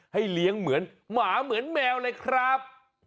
เลี้ยงเหมือนหมาเหมือนแมวเลยครับ